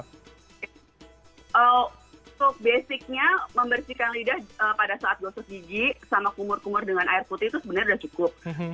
untuk basicnya membersihkan lidah pada saat gosok gigi sama kumur kumur dengan air putih itu sebenarnya sudah cukup